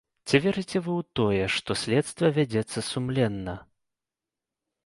Ці верыце вы ў тое, што следства вядзецца сумленна?